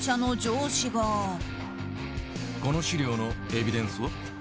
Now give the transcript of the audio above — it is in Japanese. この資料のエビデンスは？